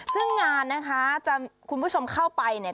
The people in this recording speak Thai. ซึ่งงานนะคะจะคุณผู้ชมเข้าไปเนี่ย